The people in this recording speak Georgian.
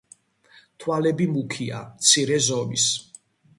თვალები მუქია, მცირე ზომის.